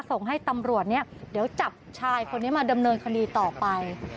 ส่งให้ตำรวจเนี่ยเดี๋ยวจับชายคนนี้มาดำเนินคดีต่อไป